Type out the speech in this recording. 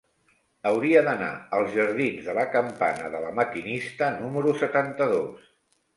Hauria d'anar als jardins de la Campana de La Maquinista número setanta-dos.